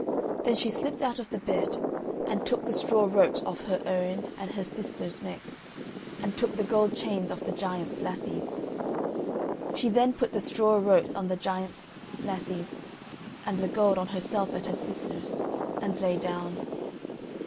Then she slipped out of the bed, and took the straw ropes off her own and her sisters' necks, and took the gold chains off the giant's lassies. She then put the straw ropes on the giant's lassies and the gold on herself and her sisters, and lay down.